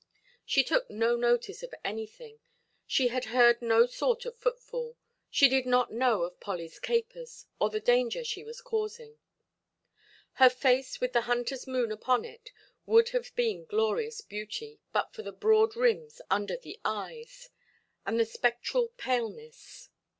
She took no notice of anything; she had heard no sort of footfall; she did not know of Pollyʼs capers, or the danger she was causing. Her face, with the hunterʼs moon upon it, would have been glorious beauty, but for the broad rims under the eyes, and the spectral paleness.